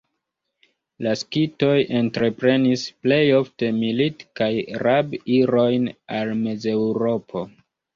La skitoj entreprenis plej ofte milit- kaj rab-irojn al Mezeŭropo.